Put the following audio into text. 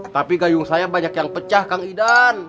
tapi gayung saya banyak yang pecah kang idan